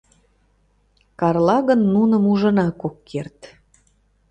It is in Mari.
Карла гын нуным ужынак ок керт.